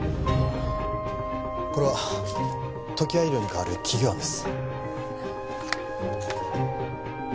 これは常盤医療にかわる企業案です